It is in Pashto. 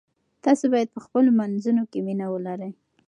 تاسو باید په خپلو منځونو کې مینه ولرئ.